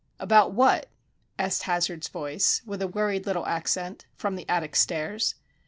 "About what?" asked Hazard's voice, with a worried little accent, from the attic stairs.